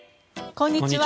こんにちは。